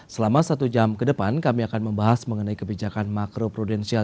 selama satu jam ke depan kami akan membahas mengenai kebijakan makro prudensial